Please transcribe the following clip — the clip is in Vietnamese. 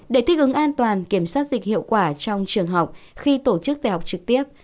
để thích ứng an toàn kiểm soát dịch hiệu quả trong trường học khi tổ chức tè học trực tiếp